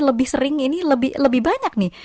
lebih sering ini lebih banyak nih